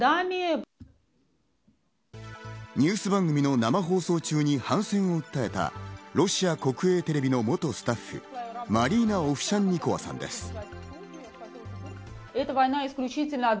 ニュース番組の生放送中に反戦を訴えたロシア国営テレビの元スタッフ、マリーナ・オフシャンニコワさんです。